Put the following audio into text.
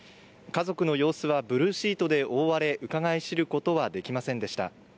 家族の様子はブルーシートで覆われ、うかがい知ることはできませんでした。